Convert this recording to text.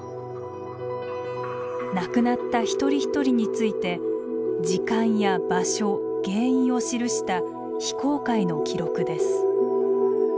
亡くなった一人一人について時間や場所原因を記した非公開の記録です。